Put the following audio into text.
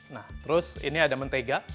nah terus ini ada mentega